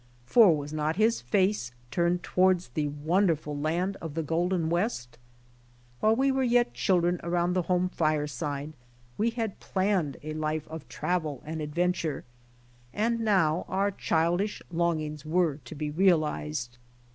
For was not his face turned towards the wonderful land of the Golden West? While we were yet children around the home fire side, we had planned a life of travel and adventure, and now our childish longings were to be realized.